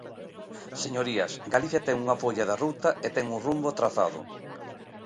Señorías, Galicia ten unha folla de ruta e ten un rumbo trazado.